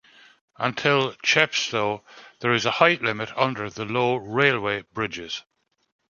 Until Chepstow, there is a height limit under the low railway bridges.